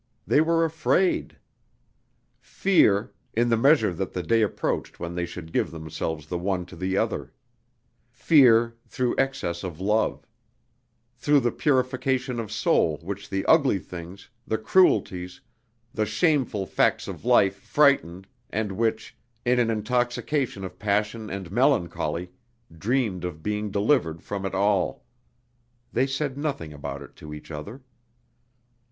They were afraid! Fear in the measure that the day approached when they should give themselves the one to the other fear through excess of love, through the purification of soul which the ugly things, the cruelties, the shameful facts of life frightened, and which, in an intoxication of passion and melancholy, dreamed of being delivered from it all.... They said nothing about it to each other.